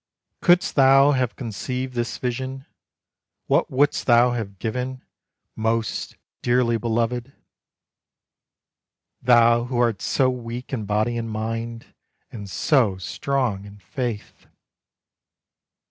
Couldst thou have conceived this vision, What wouldst thou have given, Most dearly belovèd, Thou who art so weak in body and mind, And so strong in faith!